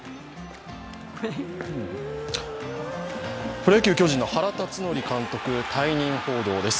プロ野球巨人の原辰徳監督、退任報道です。